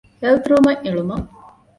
ހެލްތުރޫމެއް އެޅުމަށް